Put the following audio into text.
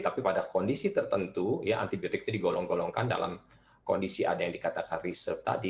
tapi pada kondisi tertentu ya antibiotik itu digolong golongkan dalam kondisi ada yang dikatakan riset tadi